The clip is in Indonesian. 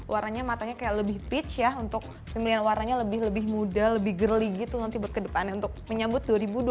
warnanya matanya kayak lebih peach ya untuk pemilihan warnanya lebih lebih muda lebih girly gitu nanti buat kedepannya untuk menyambut dua ribu dua puluh empat